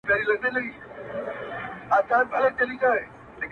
په مټي چي وكړه ژړا پر ځـنـگانــه,